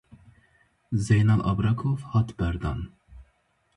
Zeynal Abrakov hat berdan.